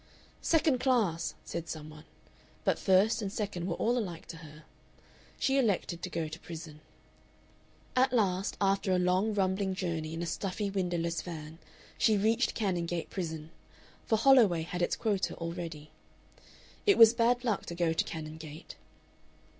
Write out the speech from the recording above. "Second class," said some one, but first and second were all alike to her. She elected to go to prison. At last, after a long rumbling journey in a stuffy windowless van, she reached Canongate Prison for Holloway had its quota already. It was bad luck to go to Canongate.